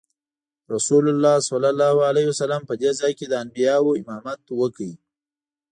رسول الله صلی الله علیه وسلم په دې ځای کې د انبیاوو امامت وکړ.